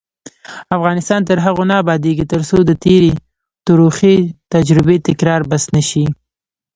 افغانستان تر هغو نه ابادیږي، ترڅو د تېرې تروخې تجربې تکرار بس نه شي.